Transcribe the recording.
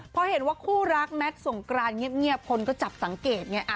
พอเห็นว่าคู่รักแมทสงกรานเงียบคนก็จับสังเกตไง